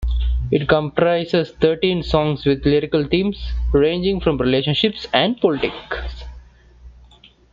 It comprises thirteen songs, with lyrical themes ranging from relationships and politics.